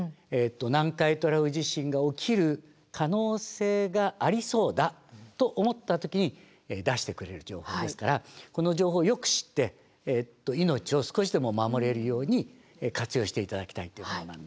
南海トラフ地震が起きる可能性がありそうだと思った時に出してくれる情報ですからこの情報をよく知って命を少しでも守れるように活用して頂きたいっていうことなんですね。